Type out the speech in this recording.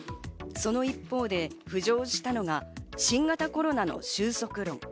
その一方で浮上したのが新型コロナの収束論。